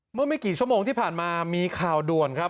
เมื่อไม่กี่ชั่วโมงที่ผ่านมามีข่าวด่วนครับ